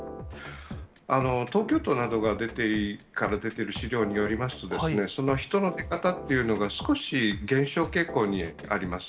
東京都などから出ている資料によりますとですね、その人の出方っていうのが少し減少傾向にあります。